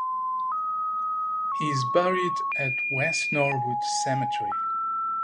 He is buried at West Norwood Cemetery.